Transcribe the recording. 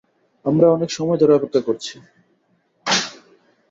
আমরা অনেক সময় ধরে অপেক্ষা করছি।